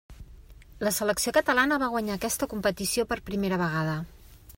La selecció catalana va guanyar aquesta competició per primera vegada.